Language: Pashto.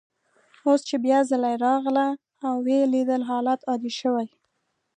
اوس چي بیا ځلې راغله او ویې لیدل، حالات عادي شوي.